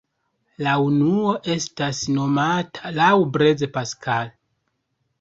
La unuo estas nomata laŭ Blaise Pascal.